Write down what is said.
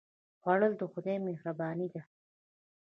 خوړل د خدای مهرباني ده